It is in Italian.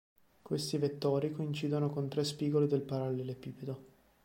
Questi vettori coincidono con tre spigoli del parallelepipedo.